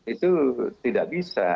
itu tidak bisa